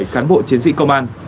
chiến sĩ công an